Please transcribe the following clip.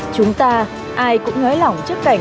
chúng ta ai cũng ngới lỏng trước cảnh